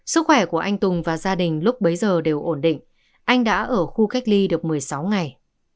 sức khỏe của anh tùng và gia đình lúc bấy giờ đều ổn định anh đã ở khu cách ly được một mươi sáu ngày